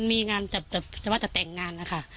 มีงานแต่ว่าจะแต่งงานนะคะ